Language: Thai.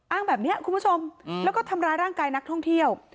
อ้างแบบนี้คุณผู้ชมแล้วก็ทำร้ายร่างกายนักท่องเที่ยว